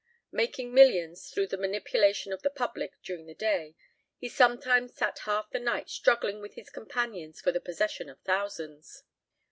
Making millions through the manipulation of the public during the day, he sometimes sat half the night struggling with his companions for the possession of thousands.